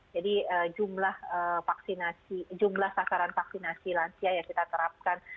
jadi jumlah vaksinasi jumlah sasaran vaksinasi lansia yang kita terapkan